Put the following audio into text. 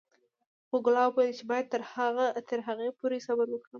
خو ګلاب وويل چې بايد تر هغې پورې صبر وکړم.